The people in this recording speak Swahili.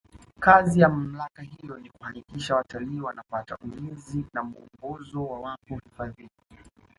kazi ya mamlaka hiyo ni kuhakikisha watalii wanapata ulinzi na mwongozo wawapo hifadhini